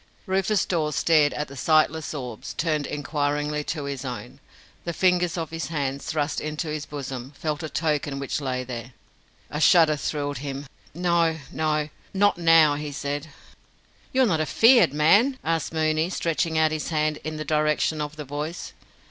Rufus Dawes stared at the sightless orbs turned inquiringly to his own. The fingers of his hand, thrust into his bosom, felt a token which lay there. A shudder thrilled him. "No, no. Not now," he said. "You're not afeard, man?" asked Mooney, stretching out his hand in the direction of the voice.